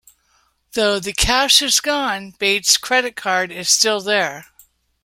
Though the cash is gone, Bates' credit card is still there.